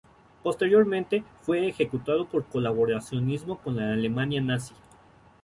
Posteriormente, fue ejecutado por colaboracionismo con la Alemania nazi.